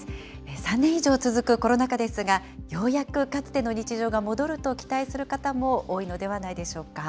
３年以上続くコロナ禍ですが、ようやくかつての日常が戻ると期待する方も多いのではないでしょ